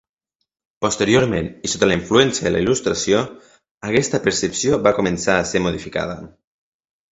Posteriorment, i sota la influència de la Il·lustració aquesta percepció va començar a ser modificada.